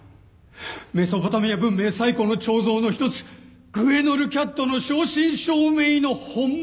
メソポタミア文明最古の彫像の一つグエノルキャットの正真正銘の本物！